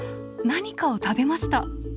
何かを食べました。